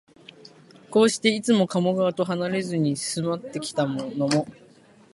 こうして、いつも加茂川とはなれずに住まってきたのも、